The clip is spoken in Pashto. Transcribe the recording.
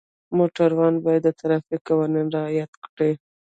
موټروان باید د ټرافیک قوانین رعایت کړي.